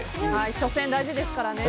初戦大事ですからね。